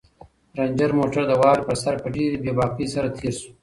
رنجر موټر د واورې پر سر په ډېرې بې باکۍ سره تېر شو.